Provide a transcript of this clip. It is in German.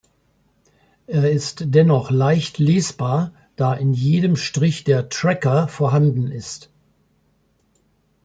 Er ist dennoch leicht lesbar, da in jedem Strich der Tracker vorhanden ist.